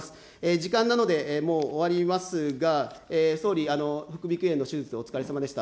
時間なのでもう終わりますが、総理、副鼻腔炎の手術、お疲れさまでした。